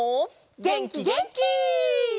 げんきげんき！